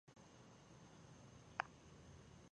له مرستې پرته نه شو مانا کولای، لکه چې